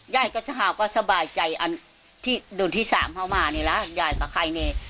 ยายก็สหาวก็สบายใจอันที่ดุลที่สามเผ่ามานี่ละยายก็ไข่เน่